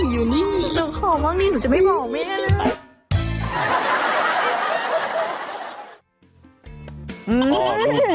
อยู่นี่หุ่นใดมาเพียบเลย